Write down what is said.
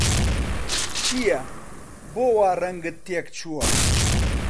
چییە، بۆ وا ڕەنگت تێکچووە؟